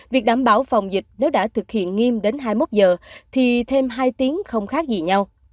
việc đảm bảo phòng dịch nếu đã thực hiện nghiêm đến hai mươi một giờ thì thêm hai tiếng không khác gì nhau